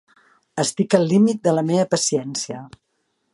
Estic al límit de la meva paciència.